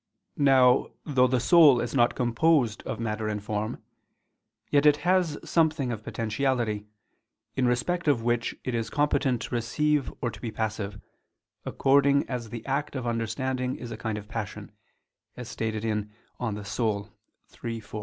Now, though the soul is not composed of matter and form, yet it has something of potentiality, in respect of which it is competent to receive or to be passive, according as the act of understanding is a kind of passion, as stated in De Anima iii, 4.